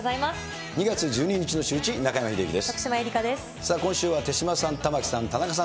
２月１２日のシューイチ、中山秀征です。